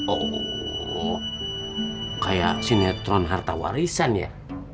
oh kayak sinetron harta warisan ya